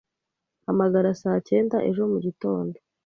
Hamagara saa cyenda ejo mugitondo.